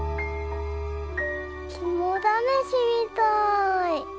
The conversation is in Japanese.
きもだめしみたい。